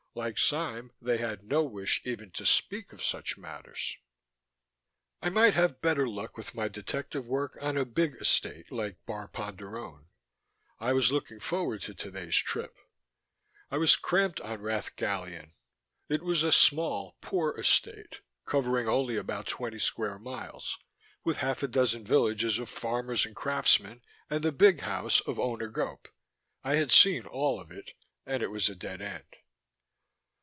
Like Sime, they had no wish even to speak of such matters. I might have better luck with my detective work on a big Estate like Bar Ponderone. I was looking forward to today's trip. I was cramped on Rath Gallion. It was a small, poor Estate, covering only about twenty square miles, with half a dozen villages of farmers and craftsmen and the big house of Owner Gope. I had seen all of it and it was a dead end.